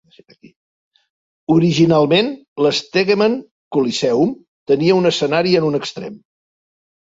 Originalment, l'Stegeman Coliseum tenia un escenari en un extrem.